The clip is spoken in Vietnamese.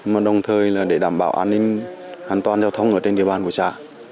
mà đồng thời là để đảm bảo an ninh an toàn giao thông ở trên địa bàn của xã